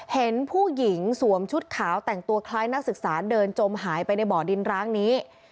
เห็นผู้หญิงสวมชุดขาวแต่งตัวคล้ายนักศึกษาเดินจมหายไปในบ่อดินร้างนี้